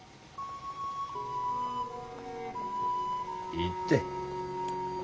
いいって。